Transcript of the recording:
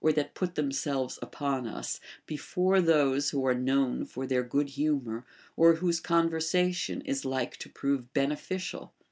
69 that put themselves upon us, before those who are known for their good humor or Avhose conversation is like to prove beneficial.